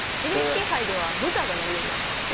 ＮＨＫ杯ではブザーが鳴るようになってます